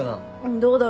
どうだろう。